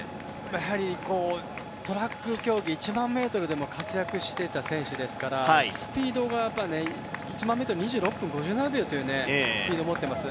トラック競技、１００００ｍでも活躍していた選手ですからスピードが１００００ｍを、２時間６分５７秒というスピードを持っています。